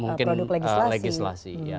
mungkin legislasi ya